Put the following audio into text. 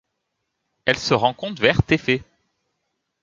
Elle se rencontre vers Tefé.